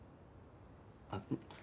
あっ！